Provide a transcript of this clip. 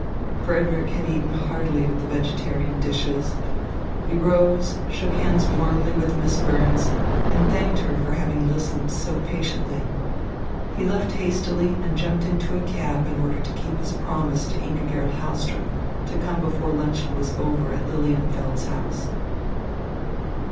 Frederick had eaten heartily of the vegetarian dishes. He rose, shook hands warmly with Miss Burns, and thanked her for having listened so patiently. He left hastily, and jumped into a cab in order to keep his promise to Ingigerd Hahlström to come before luncheon was over at Lilienfeld's house.